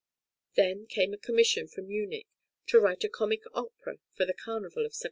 Then came a commission from Munich to write a comic opera for the Carnival of 1775.